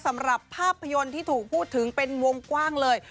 สำหรับภาพยนตร์ที่ถูกพูดถึงเป็นวงกว้างเลย